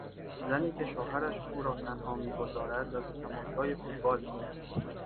زنی که شوهرش او را تنها میگذارد و به تماشای فوتبال میرود.